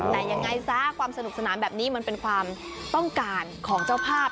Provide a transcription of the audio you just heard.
แต่ยังไงซะความสนุกสนานแบบนี้มันเป็นความต้องการของเจ้าภาพ